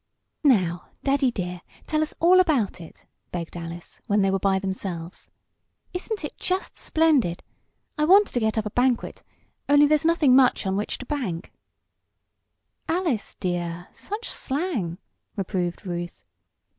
"Now, Daddy dear, tell us all about it," begged Alice, when they were by themselves. "Isn't it just splendid! I wanted to get up a banquet, only there's nothing much on which to bank " "Alice, dear such slang!" reproved Ruth.